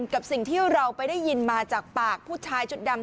กับสิ่งที่เราไปได้ยินมาจากปากผู้ชายชุดดำ